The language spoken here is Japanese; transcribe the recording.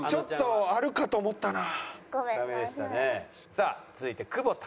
さあ続いて久保田。